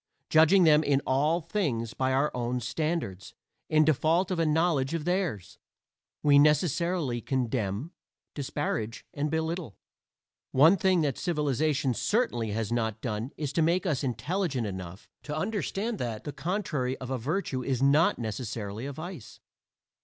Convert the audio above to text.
Judging them in all things by our own standards in default of a knowledge of theirs, we necessarily condemn, disparage and belittle. One thing that civilization certainly has not done is to make us intelligent enough to understand that the contrary of a virtue is not necessarily a vice.